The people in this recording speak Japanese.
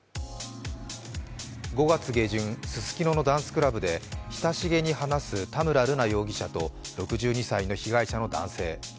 ５月下旬、ススキノのダンスクラブで親しげに話す田村瑠奈容疑者と６２歳の被害者の男性。